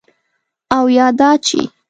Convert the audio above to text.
او یا دا چې: